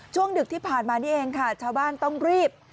ดึกที่ผ่านมานี่เองค่ะชาวบ้านต้องรีบ